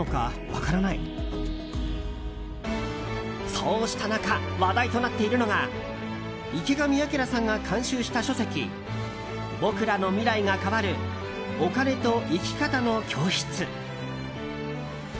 そうした中話題となっているのが池上彰さんが監修した書籍「僕らの未来が変わるお金と生き方の教室」。